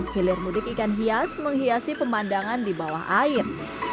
hilir mudik ikan hias menghiasi pemandangan di bawah air